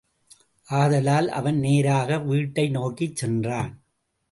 ஆதலால் அவன் நேராக வீட்டை நோக்கிச் சென்றான்.